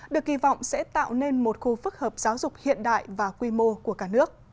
được kỳ vọng sẽ tạo nên một khu phức hợp giáo dục hiện đại và quy mô của cả nước